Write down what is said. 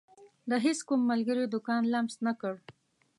د هيڅ کوم ملګري دکان لمس نه کړ.